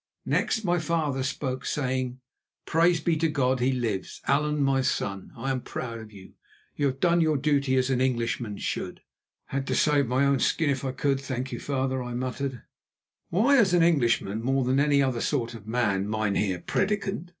Next my father spoke, saying: "Praise be to God, he lives! Allan, my son, I am proud of you; you have done your duty as an Englishman should." "Had to save my own skin if I could, thank you, father," I muttered. "Why as an Englishman more than any other sort of man, Mynheer prédicant?"